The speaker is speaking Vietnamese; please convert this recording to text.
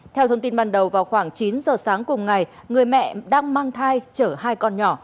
theo thông tin ban đầu vào khoảng chín giờ sáng cùng ngày người mẹ đang mang thai chở hai con nhỏ